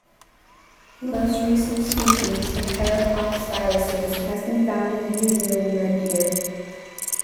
The most recent species of parapoxviruses has been found in New Zealand Red Deer.